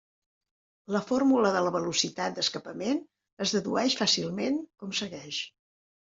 La fórmula de la velocitat d'escapament es dedueix fàcilment com segueix.